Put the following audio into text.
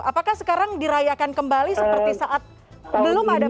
apakah sekarang dirayakan kembali seperti saat belum ada